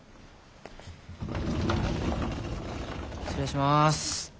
失礼します。